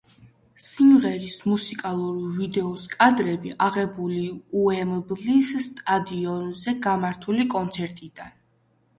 სიმღერის მუსიკალური ვიდეოს კადრები აღებული უემბლის სტადიონზე გამართული კონცერტიდან.